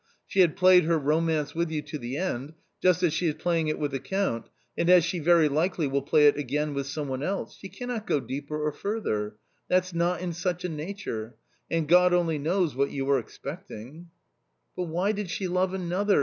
She had played her romance with you to the end, just as she is playing it with the Count, and as she very likely will play it again with some one else ; she cannot go deeper or further ! that's not in such a nature ; and God only knows what you are ex pecting." " But why did she love another?"